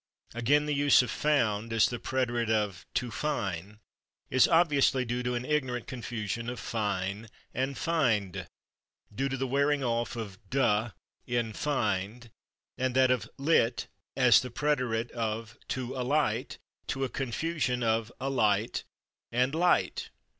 Again, the use of /found/ as the preterite of /to fine/ is obviously due to an ignorant confusion of /fine/ and /find/, due to the wearing off of / d/ in /find/, and that of /lit/ as the preterite of /to alight/ to a confusion of /alight/ and /light